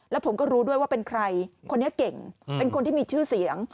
แล้วผมก็รู้ด้วยว่าเป็นใครคนนี้เก่งเป็นคนที่มีชื่อเสียง